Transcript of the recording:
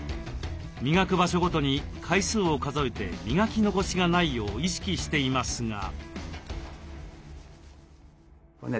磨く場所ごとに回数を数えて磨き残しがないよう意識していますが。